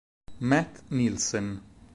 Matt Nielsen